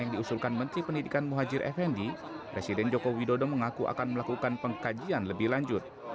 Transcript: yang diusulkan menteri pendidikan muhajir effendi presiden joko widodo mengaku akan melakukan pengkajian lebih lanjut